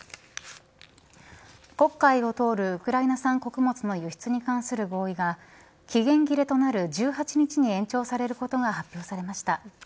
黒海を通るウクライナ産穀物の輸出に関する合意が期限切れとなる１８日に延長されることが発表されました。